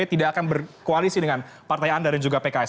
tidak akan berkoalisi dengan partai anda dan juga pks